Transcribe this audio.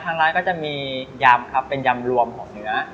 ทางร้านก็จะมียำครับเป็นยำรวมของเนื้อ